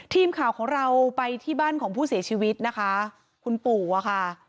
ทีมข่าวของเราไปที่บ้านของผู้เสียชีวิตนะคะคุณปู่อะค่ะ